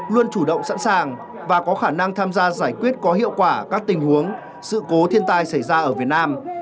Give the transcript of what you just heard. luôn chủ động sẵn sàng và có khả năng tham gia giải quyết có hiệu quả các tình huống sự cố thiên tai xảy ra ở việt nam